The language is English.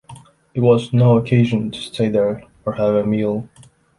It was no occasion to stay there or have a meal.